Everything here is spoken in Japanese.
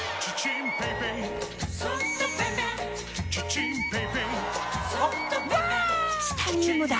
チタニウムだ！